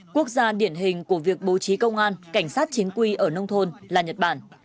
quốc gia điển hình của việc bố trí công an cảnh sát chính quy ở nông thôn là nhật bản